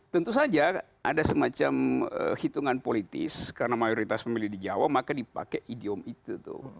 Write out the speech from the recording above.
tentu saja ada semacam hitungan politis karena mayoritas pemilih di jawa maka dipakai idiom itu tuh